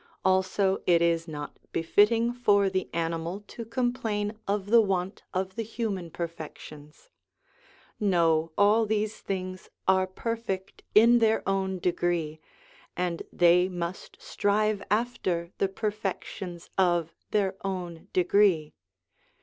Also it is not befitting for the animal to complain of the want of the human perfections. No, all these things are perfect in their own degree, and they must strive after the perfections of their own degree.